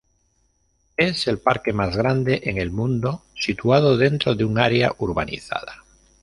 Es el parque más grande en el mundo situado dentro de un área urbanizada.